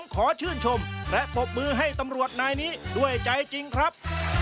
ขอชื่นชมและปรบมือให้ตำรวจนายนี้ด้วยใจจริงครับ